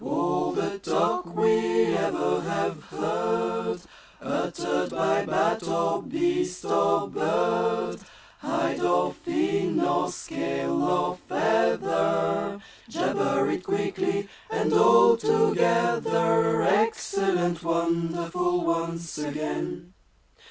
All the talk we ever have heard Uttered by bat or beast or bird Hide or fin or scale or feather Jabber it quickly and all together! Excellent! Wonderful! Once again!